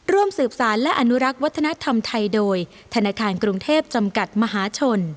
ร่วมสืบสารและอนุรักษ์วัฒนธรรมไทยโดยธนาคารกรุงเทพจำกัดมหาชน